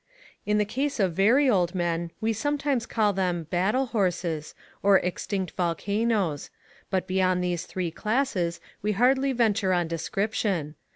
In the case of very old men we sometimes call them "battle horses" or "extinct volcanoes," but beyond these three classes we hardly venture on description.